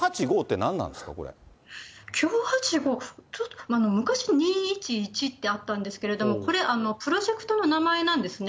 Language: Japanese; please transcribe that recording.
これ、９８５、昔２１１ってあったんですけど、これ、プロジェクトの名前なんですね。